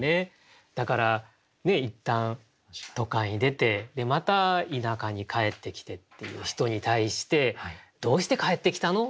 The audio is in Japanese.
だから一旦都会に出てまた田舎に帰ってきてっていう人に対して「どうして帰ってきたの？」